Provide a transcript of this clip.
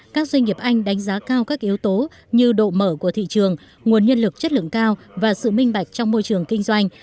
các doanh nghiệp anh đánh giá cao các yếu tố như độ mở của thị trường nguồn nhân lực chất lượng cao và sự minh bạch trong môi trường kinh doanh